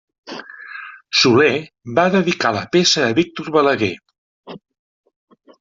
Soler va dedicar la peça a Víctor Balaguer.